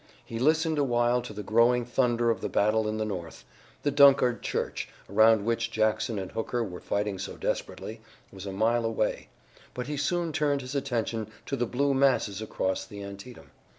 He listened a while to the growing thunder of the battle in the north the Dunkard church, around which Jackson and Hooker were fighting so desperately, was a mile away but he soon turned his attention to the blue masses across the Antietam.